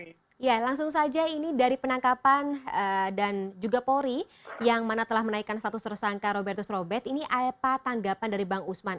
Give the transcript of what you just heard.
iya langsung saja ini dari penangkapan dan juga polri yang mana telah menaikkan status tersangka robertus robert ini apa tanggapan dari bang usman